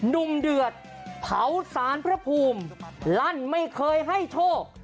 หนุ่มเดือดเผาสารพระภูมิลั่นไม่เคยให้โชค